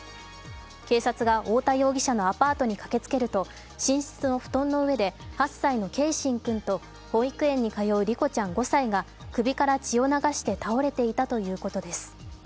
警察が太田容疑者のアパートに駆けつけると、寝室の布団の上で８歳の継真君と保育園に通う梨心ちゃん５歳が首から血を流して倒れていたということです。